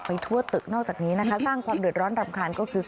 ทั่วตึกนอกจากนี้นะคะสร้างความเดือดร้อนรำคาญก็คือ